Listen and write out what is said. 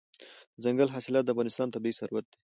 دځنګل حاصلات د افغانستان طبعي ثروت دی.